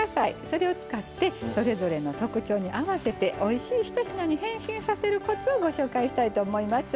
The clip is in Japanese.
それを使ってそれぞれの特徴に合わせておいしい１品に変身させるコツをご紹介したいと思います。